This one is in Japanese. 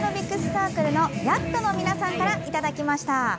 サークルのＹＡＴの皆さんからいただきました。